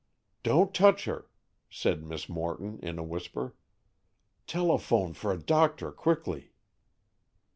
"Don't touch her," said Miss Morton, in a whisper. "Telephone for a doctor quickly."